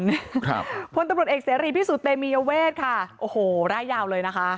ครับพลตำรวจเอกเสรีพิสุทธิเตมียเวทค่ะโอ้โหร่ายยาวเลยนะคะ